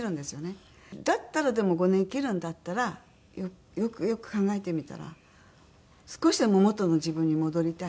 だったらでも５年生きるんだったらよくよく考えてみたら少しでも元の自分に戻りたい。